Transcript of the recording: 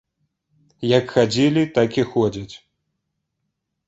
Як хадзілі, так і ходзяць.